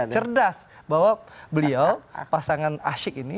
cerdas bahwa beliau pasangan asyik ini